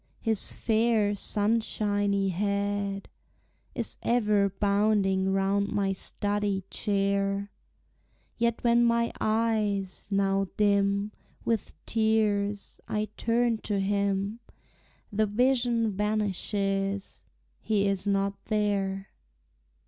His fair sunshiny head Is ever bounding round my study chair; Yet when my eyes, now dim With tears, I turn to him, The vision vanishes, he is not there!